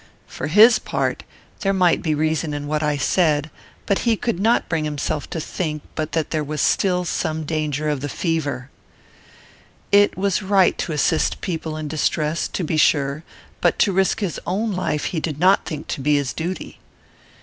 For his part, there might be reason in what I said, but he could not bring himself to think but that there was still some danger of the fever. It was right to assist people in distress, to be sure; but to risk his own life he did not think to be his duty.